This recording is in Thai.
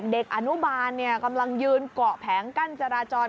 เด็กอนุบาลกำลังยืนเกาะแผงกั้นจราจร